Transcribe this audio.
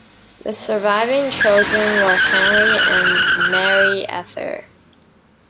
The surviving children were Henry and Mary Esther.